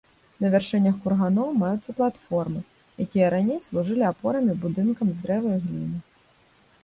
На вяршынях курганоў маюцца платформы, якія раней служылі апорамі будынкам з дрэва і гліны.